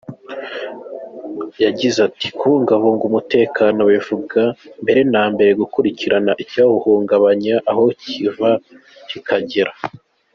Yagize ati, "Kubungabunga umutekano bivuga mbere na mbere gukumira icyawuhungabanya aho kiva kikagera.